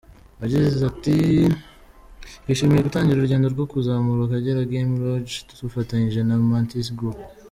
Yaize ati “ Twishimiye gutangira urugendo rwo kuzamura Akagera Game Lodge dufatanyije na Mantis Group.